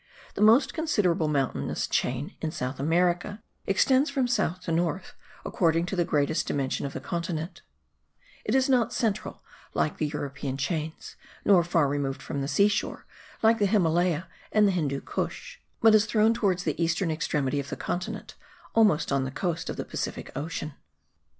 The most considerable mountainous chain in South America extends from south to north according to the greatest dimension of the continent; it is not central like the European chains, nor far removed from the sea shore, like the Himalaya and the Hindoo Koosh; but it is thrown towards the western extremity of the continent, almost on the coast of the Pacific Ocean.